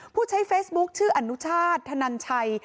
ผู้ใช้เฟซบุ๊คชื่ออนุชาติธนันชัย